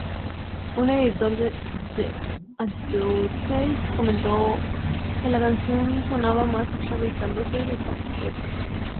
Un editor de The Advocate comentó que la canción sonaba más fabricados de compuestos.